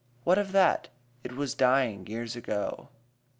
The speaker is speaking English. What of that? It was years ago.